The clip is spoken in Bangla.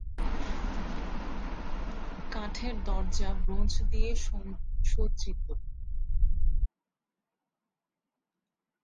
কাঠের দরজা ব্রোঞ্জ দিয়ে সজ্জিত।